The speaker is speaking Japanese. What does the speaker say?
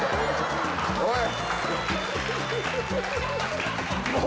おい！